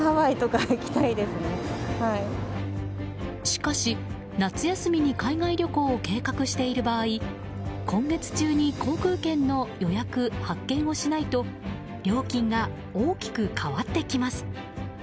しかし夏休みに海外旅行を計画している場合今月中に航空券の予約・発券をしないと料金が大きく変わってきます。